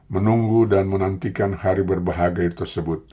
menunggu dan menantikan hari berbahagia tersebut